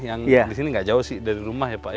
yang di sini nggak jauh sih dari rumah ya pak ya